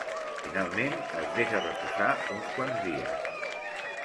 Finalment, es deixa reposar uns quants dies.